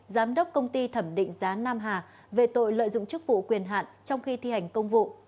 giám đốc công ty thẩm định giá nam hà về tội lợi dụng chức vụ quyền hạn trong khi thi hành công vụ